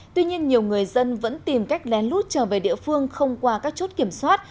tuy nhiên nhiều người dân vẫn tìm cách lén lút trở về địa phương không qua các chốt kiểm soát